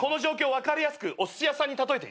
分かりやすくおすし屋さんに例えていい？